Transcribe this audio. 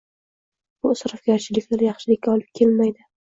Bu isrofgarchiliklar yaxshilikka olib kelmaydi